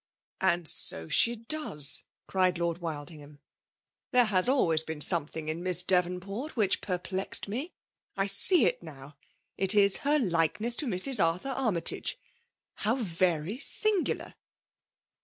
" And so she does !*' cried Lord Wilding ham. " There has always been something in Miss Devonport whidi perplexed me. I see it now; — ^it is her Ukeness to Mrs. Arthur Army tage. How very singular